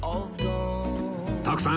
徳さん